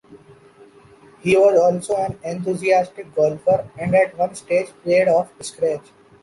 He was also an enthusiastic golfer, and at one stage played off scratch.